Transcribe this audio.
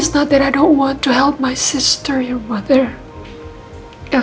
tante tidak mau menolong mama kamu